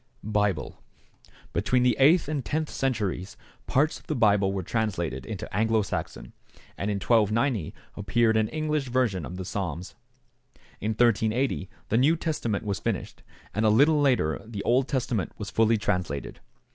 =Bible.= Between the eighth and tenth centuries parts of the Bible were translated into Anglo Saxon, and in 1290 appeared an English version of the Psalms. In 1380 the New Testament was finished, and a little later the Old Testament was fully translated.